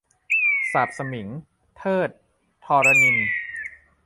สาปสมิง - เทอด ธรณินทร์